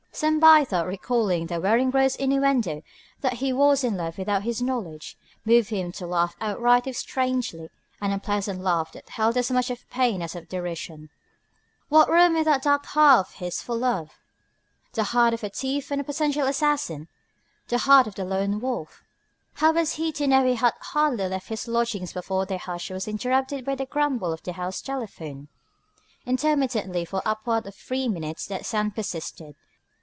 Some by thought recalling the Weringrode's innuendo that he was in love without his knowledge, moved him to laugh outright if strangely, an unpleasant laugh that held as much of pain as of derision. What room in that dark heart of his for love?... the heart of a thief and a potential assassin, the heart of the Lone Wolf!... How was he to know he had hardly left his lodgings before their hush was interrupted by the grumble of the house telephone? Intermittently for upward of three minutes that sound persisted.